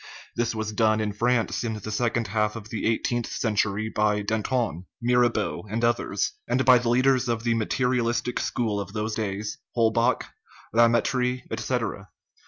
This was done in France in the second half of the eighteenth century by Vol taire, Danton, Mirabeau, and others, and by the lead ers of the materialistic school of those days, Holbach, THE RIDDLE OF THE UNIVERSE Lamettrie, etc.